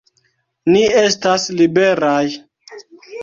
Ni estas liberaj!